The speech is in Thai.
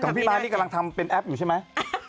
พี่ม้านี่กำลังทำเป็นแอปอยู่ใช่ไหม